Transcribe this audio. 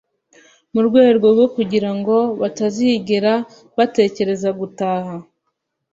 mu rwego rwo kugira ngo batazigera batekereza gutaha